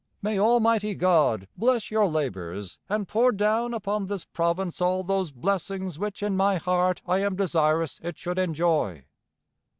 'May Almighty God bless your labours, and pour down upon this province all those blessings which in my heart I am desirous it should enjoy.'